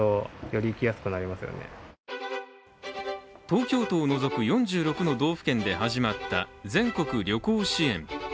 東京都を除く４６の道府県で始まった全国旅行支援。